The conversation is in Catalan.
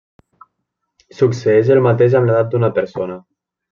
Succeeix el mateix amb l'edat d'una persona.